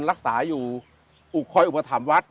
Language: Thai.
รักษาอยู่คอยอุปถัมภ์วัด